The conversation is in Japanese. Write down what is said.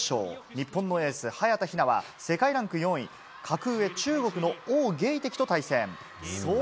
日本のエース、早田ひなは世界ランク４位、格上、中国の王芸迪と対戦。